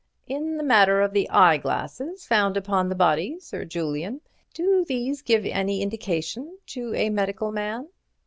"In the matter of the eyeglasses found upon the body, Sir Julian. Do these give any indication to a medical man?"